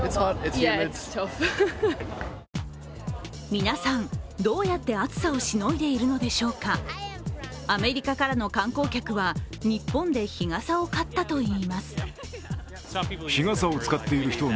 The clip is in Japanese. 皆さんどうやって暑さをしのいでいるのでしょうかアメリカからの観光客は日本で日傘を買ったといいます。